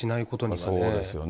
そうですよね。